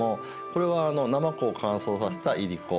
これはなまこを乾燥させたいりこ。